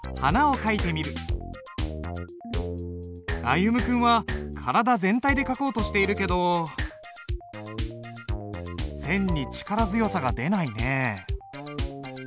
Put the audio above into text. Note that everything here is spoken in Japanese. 歩夢君は体全体で書こうとしているけど線に力強さが出ないね。